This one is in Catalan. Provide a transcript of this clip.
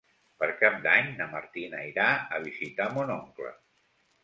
Per Cap d'Any na Martina irà a visitar mon oncle.